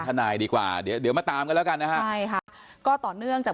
ท่านนายดีกว่าเดี๋ยวมาตามกันแล้วกันนะค่ะก็ต่อเนื่องจาก